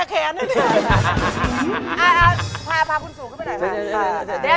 พาคุณสูงขึ้นไปได้ไหม